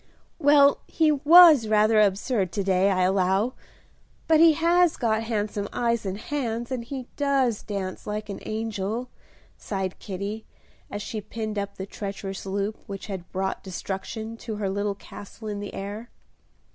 "Well, he was rather absurd to day, I allow; but he has got handsome eyes and hands, and he does dance like an angel," sighed Kitty, as she pinned up the treacherous loop which had brought destruction to her little castle in the air.